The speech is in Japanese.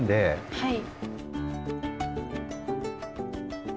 はい。